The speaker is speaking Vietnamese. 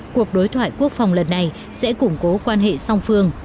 cuộc đối thoại quốc phòng lần này sẽ củng cố quan hệ song phương